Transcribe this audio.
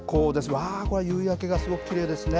わー、これ、夕焼けがすごくきれいですね。